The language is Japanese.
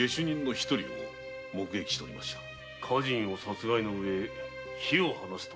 家人を殺害の上火を放つとはな。